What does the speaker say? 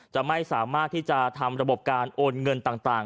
จะไม่สามารถที่จะทำระบบการโอนเงินต่าง